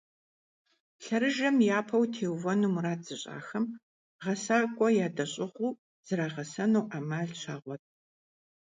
Лъэрыжэм япэу теувэну мурад зыщIахэм, гъэсакIуэ ядэщIыгъуу зрагъэсэну Iэмал щагъуэт.